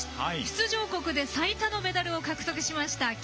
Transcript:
出場国で最多のメダルを獲得しました。